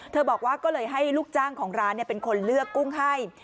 บอกว่าก็เลยให้ลูกจ้างของร้านเป็นคนเลือกกุ้งให้